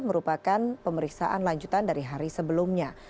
merupakan pemeriksaan lanjutan dari hari sebelumnya